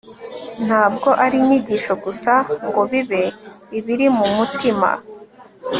ntabwo ari inyigisho gusa, ngo bibe ibiri mu mutima